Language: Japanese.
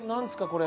これ。